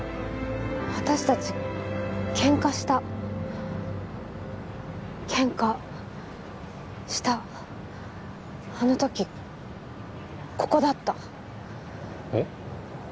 私たちケンカしたケンカしたあのときここだったえっ？